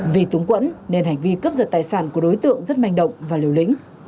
vì túng quẫn nên hành vi cướp giật tài sản của đối tượng rất manh động và liều lĩnh